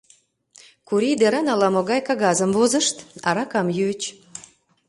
Курий деран ала-могай кагазым возышт, аракам йӱыч.